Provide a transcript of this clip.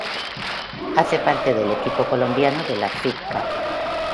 Hace parte del equipo colombiano de la Fed Cup.